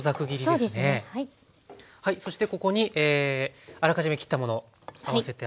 そしてここにあらかじめ切ったもの合わせてあります。